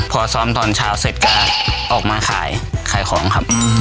พอซ้อมตอนเช้าเสร็จก็ออกมาขายขายของครับ